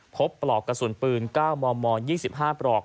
ปลอกกระสุนปืน๙มม๒๕ปลอก